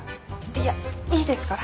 いやいいですから。